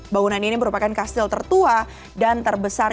bangunan ini merupakan kastil tertua dan terbesar